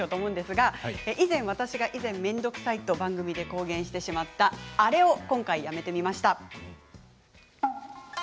以前、私が面倒くさいと番組で公言してしまった、あれをやめてみました。